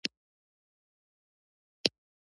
د کوکو ګل د خوشحالۍ لپاره وکاروئ